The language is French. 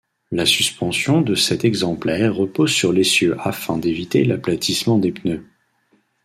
La suspension de cet exemplaire repose sur l'essieu afin d'éviter l'aplatissement des pneus.